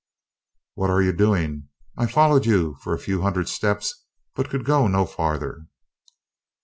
"What are you doing? I followed you for a few hundred steps, but could go no farther."